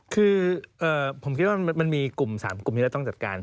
คือผมคิดว่ามันมีกลุ่ม๓กลุ่มที่เราต้องจัดการ